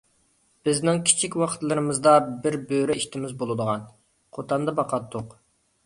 بىزنىڭ كىچىك ۋاقىتلىرىمىزدا بىر بۆرە ئىتىمىز بولىدىغان، قوتاندا باقاتتۇق.